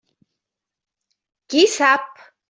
Qui sap!